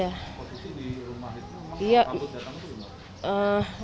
pada saat itu di rumah itu kabut datang